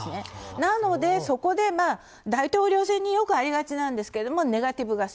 なので、そこで大統領選によくありがちなんですがネガティブ合戦。